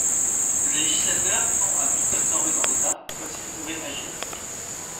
Le législateur tend à tout absorber dans l’État, comme s’il pouvait agir.